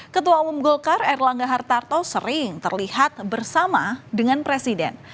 ketua umum golkar erlangga hartarto sering terlihat bersama dengan presiden